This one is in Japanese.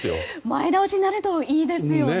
前倒しになるといいですよね。